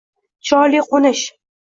— Chiroyli qo‘nish!